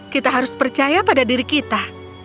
kita harus percaya pada diri kita